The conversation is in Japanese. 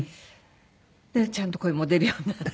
でちゃんと声も出るようになって。